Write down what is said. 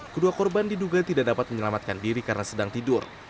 kedua korban diduga tidak dapat menyelamatkan diri karena sedang tidur